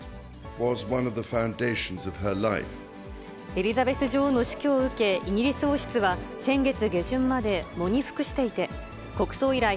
エリザベス女王の死去を受け、イギリス王室は、先月下旬まで喪に服していて、国葬以来、